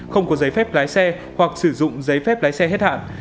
không có giấy phép lái xe hoặc sử dụng giấy phép lái xe hết hạn